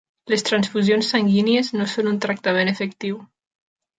Les transfusions sanguínies no són un tractament efectiu.